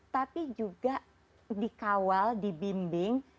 tapi juga dikawal dibimbing